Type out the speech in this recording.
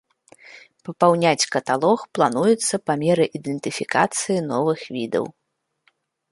Папаўняць каталог плануецца па меры ідэнтыфікацыі новых відаў.